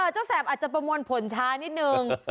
แสบอาจจะประมวลผลช้านิดนึง